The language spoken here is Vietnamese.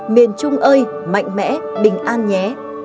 miền trung ơi mạnh mẽ bình an nhé